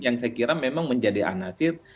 yang saya kira memang menjadi anasir